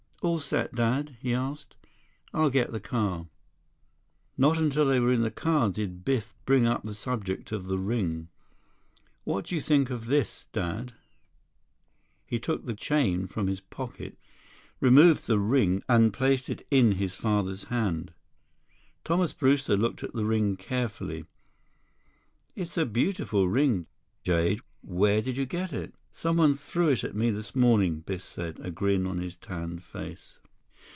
"All set, Dad?" he asked. "I'll get the car." Not until they were in the car did Biff bring up the subject of the ring. "What do you think of this, Dad?" He took his key chain from his pocket, removed the ring, and placed it in his father's hand. Thomas Brewster looked at the ring carefully. "It's a beautiful ring. Jade. Where did you get it?" "Someone threw it at me this morning," Biff said, a grin on his tanned face.